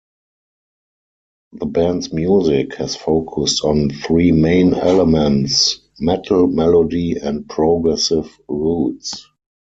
The band's music has focused on three main elements: metal, melody, and progressive roots.